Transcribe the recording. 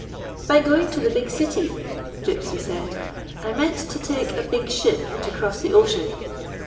" By going to the big city," Gypsy said. "I meant to take a big ship to cross the ocean."